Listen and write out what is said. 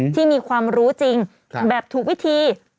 ที่มีความรู้จริงแบบถูกวิธี